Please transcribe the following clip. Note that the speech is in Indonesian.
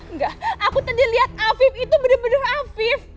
engga aku tadi liat afif itu bener bener afif